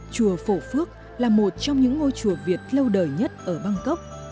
chùa phổ phước là một trong những ngôi chùa việt lâu đời nhất ở bangkok